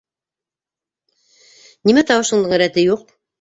Нимә тауышыңдың рәте юҡ?